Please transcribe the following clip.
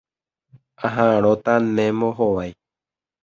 Aha'ãrõta ne mbohovái.